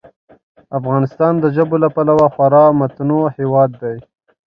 افغانستان د ژبو له پلوه خورا متنوع هېواد دی.